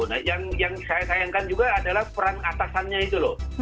nah yang saya sayangkan juga adalah peran atasannya itu loh